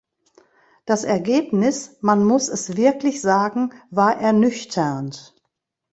Das Ergebnis man muss es wirklich sagen war ernüchternd.